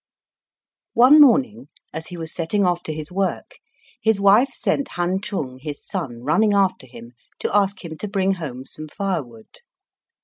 One morning, as he was setting off to his work, his wife sent Han Chung, his son, running after him to ask him to bring home some firewood.